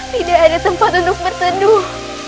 tidak ada tempat untuk berseduh